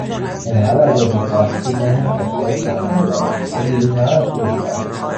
اینقدر از آب میترسی که ذهنت به خاک پناه میبره چرا دیروز نرفتی استخر؟